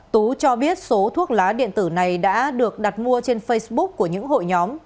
tú cho biết số thuốc lá điện tử này đã được đặt mua trên facebook của những hội nhóm